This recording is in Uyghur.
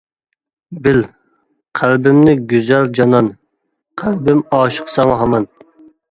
بىل قەلبىمنى گۈزەل جانان، قەلبىم ئاشىق ساڭا ھامان.